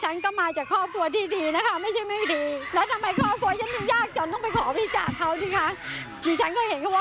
จากกลุ่มจิตอาสากลับกลายเป็นหนังคนละมวล